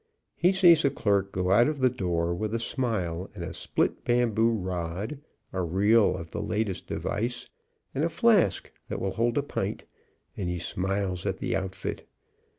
He sees a clerk go out of the door with a smile and a split bamboo rod, a reel of latest device, and a flask that will hold a pint, and he smiles at the outfit.